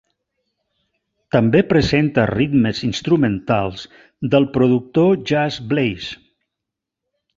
També presenta ritmes instrumentals del productor Just Blaze.